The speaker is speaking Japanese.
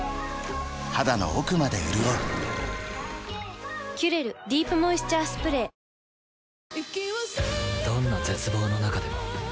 肌の奥まで潤う「キュレルディープモイスチャースプレー」脂肪対策続かない